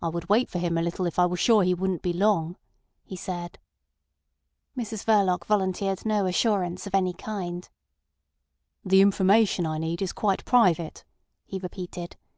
"I would wait for him a little if I were sure he wouldn't be long," he said. Mrs Verloc volunteered no assurance of any kind. "The information I need is quite private," he repeated.